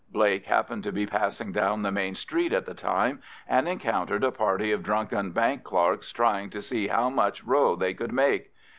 Blake happened to be passing down the main street at the time, and encountered a party of drunken bank clerks trying to see how much row they could make.